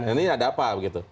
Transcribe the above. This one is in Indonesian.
ini ada apa begitu